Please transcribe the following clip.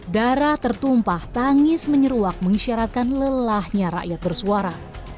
darah tertumpah tangis menyeruak mengisyaratkan lelahnya rakyat bersuara